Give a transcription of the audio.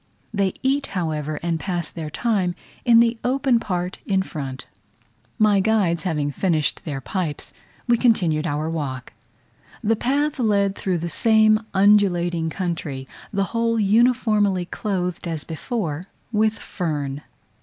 They eat, however, and pass their time in the open part in front. My guides having finished their pipes, we continued our walk. The path led through the same undulating country, the whole uniformly clothed as before with fern.